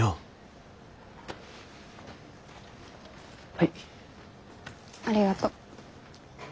はい。ありがと。